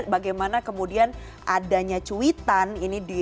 bagaimana kemudian adanya cuitan ini di